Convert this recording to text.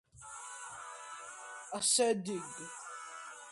გავრცელებულია ფართოდ, უმრავლესობა ბინადრობს ტროპიკებში.